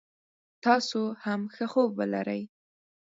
تاسو هم ښه خوب ولری